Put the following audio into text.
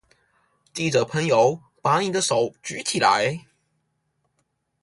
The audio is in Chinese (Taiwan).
記者朋友，把你的手舉起來